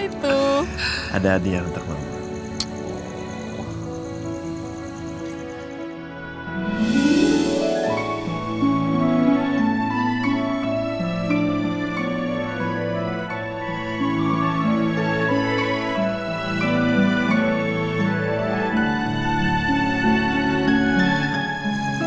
ini untuk gantiin resmi meja untuk anak anak mama